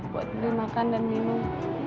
buat beli makan dan minum